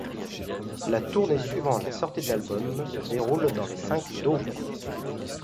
La tournée suivant la sortie de l'album se déroule dans les cinq dômes.